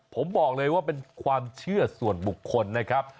ผมบอกเลยว่าเป็นความเชื่อส่วนบุคคลนะครับ